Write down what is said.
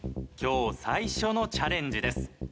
今日最初のチャレンジです。